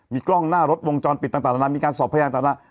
มีกล้องหน้ารถวงจรปิดต่างมีการสอบพยานต่าง